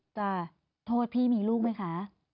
โยากบอกว่าพี่มีลูกไหมคะ